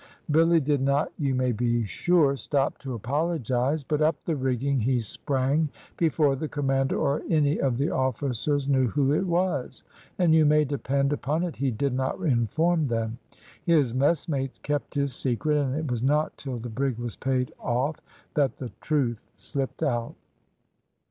Billy did not, you may be sure, stop to apologise; but up the rigging he sprang, before the commander or any of the officers knew who it was, and you may depend upon it he did not inform them. His messmates kept his secret, and it was not till the brig was paid off that the truth slipped out."